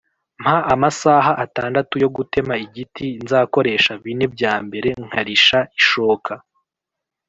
“mpa amasaha atandatu yo gutema igiti nzakoresha bine bya mbere nkarisha ishoka.”